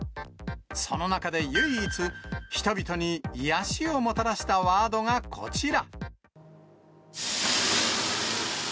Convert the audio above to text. その中で唯一、人々に癒やしをもたらしたワードがこちら。